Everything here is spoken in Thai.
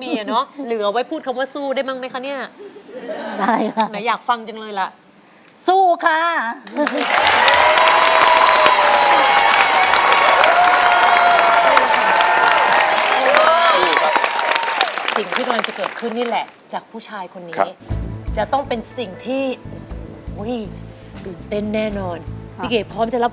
เพลงที่๔มูลค่า๖๐๐๐๐บาทคุณเก๋ร้องได้หรือว่าร้องผิดครับ